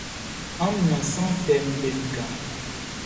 Amun nian sran tɛʼm be lika.